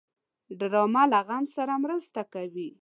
ډرامه له غم سره مرسته کوي